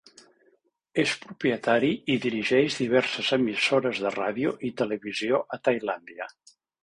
És propietari i dirigeix diverses emissores de ràdio i televisió a Tailàndia.